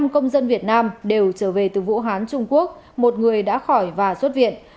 một mươi công dân việt nam đều trở về từ vũ hán trung quốc một người đã khỏi và xuất viện